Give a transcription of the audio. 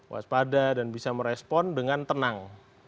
waspada dan bisa merespon dengan tenang